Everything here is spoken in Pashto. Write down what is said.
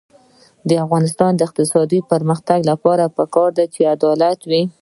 د افغانستان د اقتصادي پرمختګ لپاره پکار ده چې عدالت وي.